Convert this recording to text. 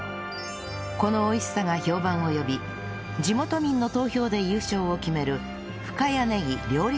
この美味しさが評判を呼び地元民の投票で優勝を決める